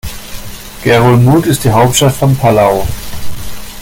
Ngerulmud ist die Hauptstadt von Palau.